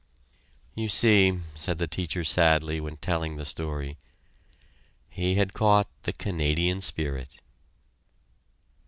"You see," said the teacher sadly, when telling the story, "he had caught the Canadian spirit."